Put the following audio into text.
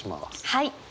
はい。